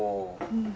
うん。